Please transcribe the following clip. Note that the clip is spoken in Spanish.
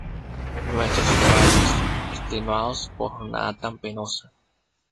nuestros caballos, extenuados por jornada tan penosa